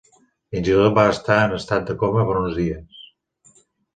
Fins i tot va estar en estat de coma per uns dies.